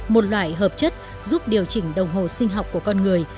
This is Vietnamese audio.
một loại hợp chất giúp điều chỉnh đồng hồ sinh học của con người